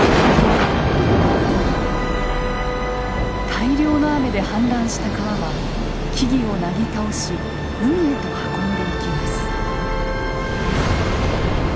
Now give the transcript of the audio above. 大量の雨で氾濫した川は木々をなぎ倒し海へと運んでいきます。